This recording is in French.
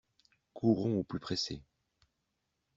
Courons au plus pressé.